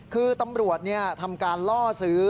คือตำรวจทำการล่อซื้อ